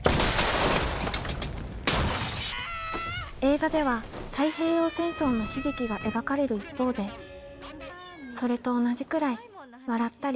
映画では太平洋戦争の悲劇が描かれる一方でそれと同じくらい笑ったりケンカをしたり